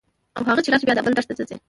او هغه چې راشي بیا دا بل درس ته ځي.